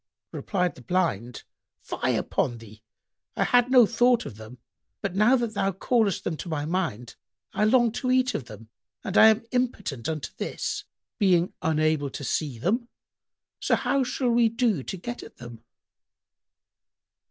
Replied the Blind, "Fie upon thee! I had no thought of them, but now that thou callest them to my mind, I long to eat of them and I am impotent unto this, being unable to see them; so how shall we do to get at them?"